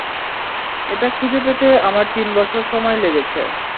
এটা খুঁজে পেতে আমার তিন বছর সময় লেগেছে।